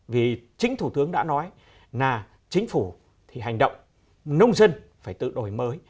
vì chính thủ tướng đã nói là chính phủ thì hành động nông dân phải tự đổi mới